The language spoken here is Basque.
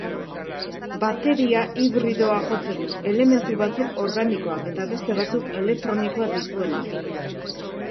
Bateria hibridoa jotzen du, elementu batzuk organikoak eta beste batzuk elektronikoak dituena.